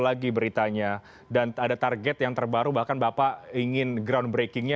lagi beritanya dan ada target yang terbaru bahkan bapak ingin groundbreakingnya